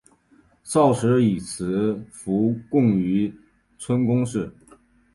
少时以辞赋贡于春官氏。